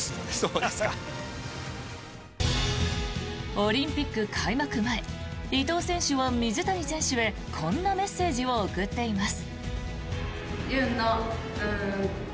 オリンピック開幕前伊藤選手は水谷選手へこんなメッセージを送っています。